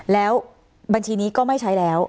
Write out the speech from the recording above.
แล้วบัญชีนี้ก็ไม่ใช้แล้ว